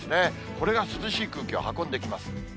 これが涼しい空気を運んできます。